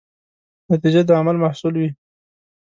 نتیجه د عمل محصول وي.